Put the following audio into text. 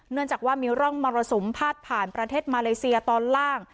เนื่องจากว่ามีร่องมรสุมพาดผ่านประเทศมาเลเซียตอนล่าง